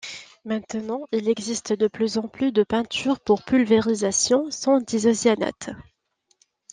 Maintenant, il existe de plus en plus de peintures pour pulvérisation sans di-isocyanates.